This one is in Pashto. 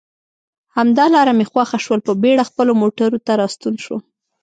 همدا لار مې خوښه شول، په بېړه خپلو موټرو ته راستون شوم.